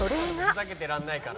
「ふざけてらんないから」